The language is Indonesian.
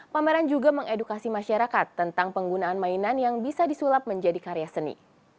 pameran juga mengedukasi masyarakat tentang penggunaan mainan yang bisa disulap menjadi karya seni